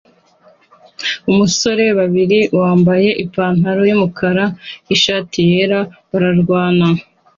Umusore babiri wambaye ipantaro yumukara nishati yera barwana